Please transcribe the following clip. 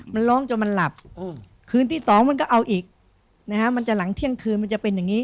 มันร้องจนมันหลับคืนที่สองมันก็เอาอีกนะฮะมันจะหลังเที่ยงคืนมันจะเป็นอย่างนี้